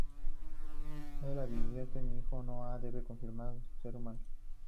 El advierte a Mi Ho que no debe confiar en los seres humanos.